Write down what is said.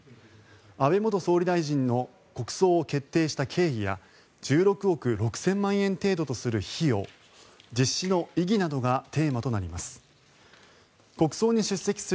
安倍元総理大臣の国葬を決定した経緯や１６億６０００万円程度とする費用実施の意義などがテーマとなります。